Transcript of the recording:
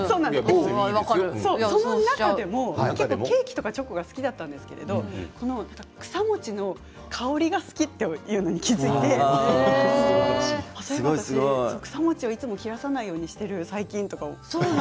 その中でも、ケーキとかチョコが好きだったんですけど草餅の香りが好きというのに気付いて草餅を切らさないようにしている最近。